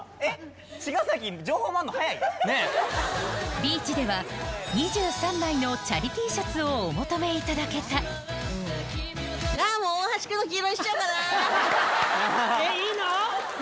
ビーチでは２３枚のチャリＴシャツをお求めいただけたいいの？